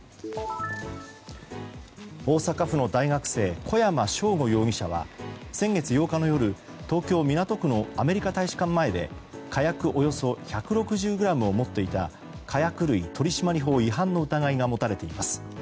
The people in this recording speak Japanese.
大阪府の大学生小山尚吾容疑者は先月８日の夜東京・港区のアメリカ大使館前で火薬およそ１６０ｇを持っていた火薬類取締法違反の疑いが持たれています。